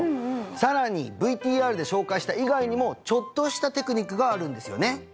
さらにＶＴＲで紹介した以外にもちょっとしたテクニックがあるんですよね？